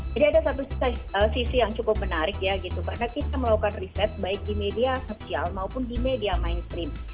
jadi ada satu sisi yang cukup menarik ya karena kita melakukan riset baik di media sosial maupun di media mainstream